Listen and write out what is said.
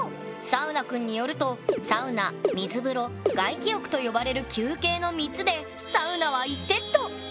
サウナくんによると「サウナ」「水風呂」「外気浴と呼ばれる休憩」の３つでサウナは１セット！